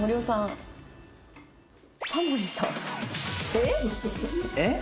えっ？えっ？